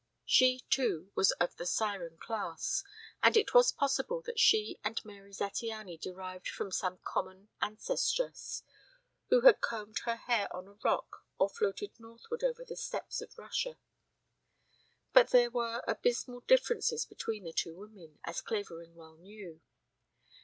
She, too, was of the siren class, and it was possible that she and Mary Zattiany derived from some common ancestress who had combed her hair on a rock or floated northward over the steppes of Russia. But there were abysmal differences between the two women, as Clavering well knew.